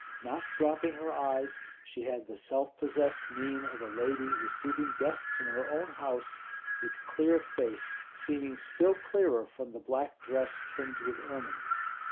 Not dropping her eyes, she had the self possessed mien of a lady receiving guests in her own house, with clear face seeming still clearer from the black dress trimmed with ermine.